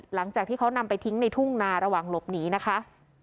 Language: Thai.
หลังจากที่เขานำไปทิ้งในทุ่งนาระหว่างหลบหนีนะคะ